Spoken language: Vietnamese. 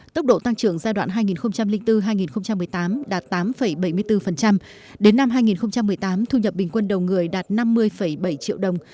tốc độ tăng trưởng giai đoạn hai nghìn bốn hai nghìn một mươi tám đạt tám bảy mươi bốn đến năm hai nghìn một mươi tám thu nhập bình quân đầu người đạt năm mươi bảy triệu đồng